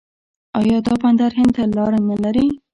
آیا دا بندر هند ته لاره نلري؟